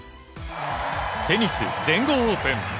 テニス全豪オープン。